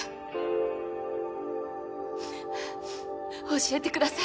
教えてください。